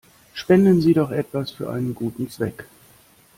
Spenden Sie doch etwas für einen guten Zweck!